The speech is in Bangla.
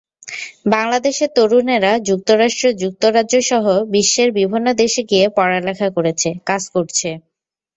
বাংলাদেশের তরুণেরা যুক্তরাষ্ট্র, যুক্তরাজ্যসহ বিশ্বের বিভিন্ন দেশে গিয়ে পড়ালেখা করেছে, কাজ করছে।